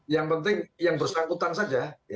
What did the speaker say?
yang penting yang bersangkutan saja